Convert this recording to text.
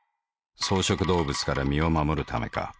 草食動物から身を護るためか。